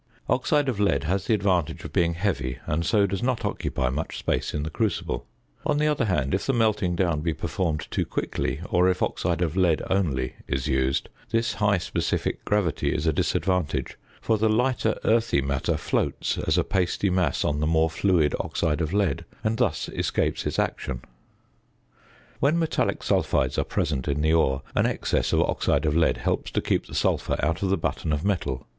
Oxide of lead has the advantage of being heavy and so does not occupy much space in the crucible; on the other hand, if the melting down be performed too quickly, or if oxide of lead only is used, this high specific gravity is a disadvantage, for the lighter earthy matter floats as a pasty mass on the more fluid oxide of lead, and thus escapes its action. When metallic sulphides are present in the ore, an excess of oxide of lead helps to keep the sulphur out of the button of metal.